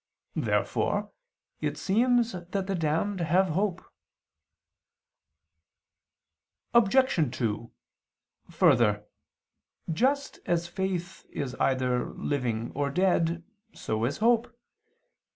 Therefore it seems that the damned have hope. Obj. 2: Further, just as faith is either living or dead, so is hope.